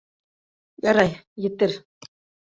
Ярай, етер...